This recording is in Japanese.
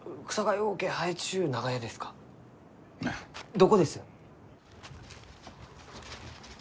どこです？